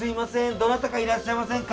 どなたかいらっしゃいませんか？